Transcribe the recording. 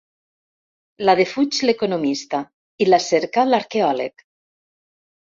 La defuig l'economista i la cerca l'arqueòleg.